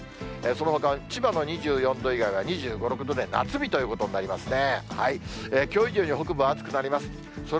そのほかは千葉の２４度以外は２５、６度で夏日ということになりますね、きょう以上に北部暑くなります。